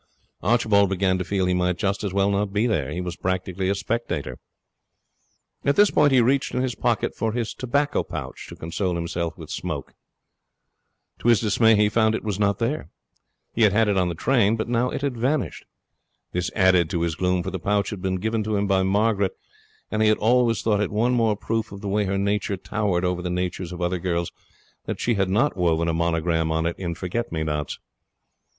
Archibald began to feel that he might just as well not be there. He was practically a spectator. At this point he reached in his pocket for his tobacco pouch, to console himself with smoke. To his dismay he found it was not there. He had had it in the train, but now it had vanished. This added to his gloom, for the pouch had been given to him by Margaret, and he had always thought it one more proof of the way her nature towered over the natures of other girls that she had not woven a monogram on it in forget me nots.